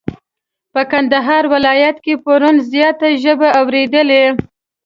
په کندهار ولايت کي پرون زياته ژبی اوريدلې.